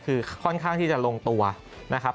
คือค่อนข้างที่จะลงตัวนะครับ